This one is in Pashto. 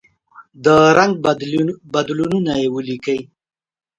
د رنګ بدلونونه یې ولیکئ.